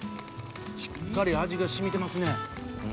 しっかり味が染みてますね。